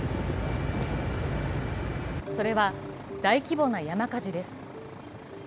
それは大規模な山火事です。